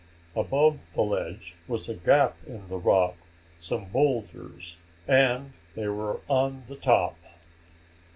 Above the ledge was a gap in the rock, some boulders and they were on the top!